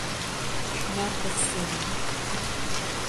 Марков семын